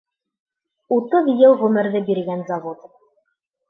Утыҙ йыл ғүмерҙе биргән завод!